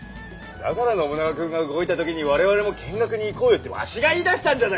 だから信長君が動いた時に「我々も見学に行こうよ」ってわしが言いだしたんじゃないか！